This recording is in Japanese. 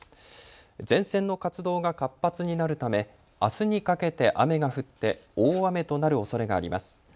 前線の活動が活発になるためあすにかけて雨が降って大雨となるおそれがあります。